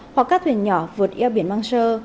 hoặc các thuyền nhỏ vượt yêu biển măng sơ